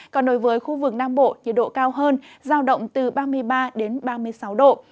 còn đối với khu vực nam bộ nhiệt độ cao hơn giao động từ ba mươi ba đến ba mươi sáu độ